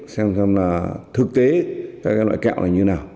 xem xem là thực tế các loại kẹo này như nào